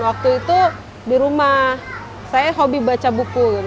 waktu itu di rumah saya hobi baca buku